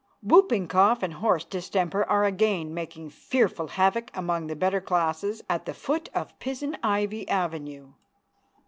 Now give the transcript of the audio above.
Whooping cough and horse distemper are again making fearful havoc among the better classes at the foot of Pizen Ivy avenue.